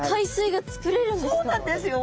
そうなんですよ。